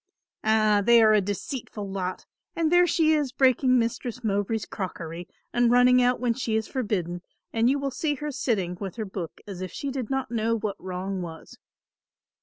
"Ah, they are a deceitful lot, and there she is breaking Mistress Mowbray's crockery and running out when she is forbidden and you will see her sitting with her book as if she did not know what wrong was."